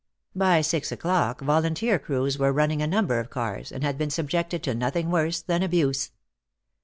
By six o'clock volunteer crews were running a number of cars, and had been subjected to nothing worse than abuse.